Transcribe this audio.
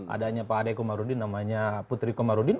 adanya pak ade komarudin namanya putri komarudin